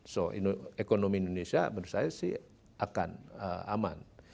so ekonomi indonesia menurut saya sih akan aman